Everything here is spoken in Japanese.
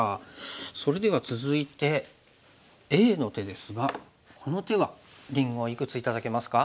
それでは続いてＡの手ですがこの手はりんごいくつ頂けますか？